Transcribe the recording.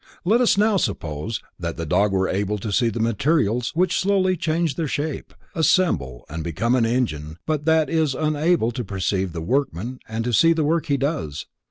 Let us now suppose that the dog were able to see the materials which slowly change their shape, assemble and become an engine but that it is unable to perceive the workman and to see the work he does.